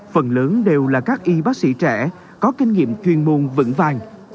phần lớn đều là các y bác sĩ trẻ có kinh nghiệm chuyên môn vững vàng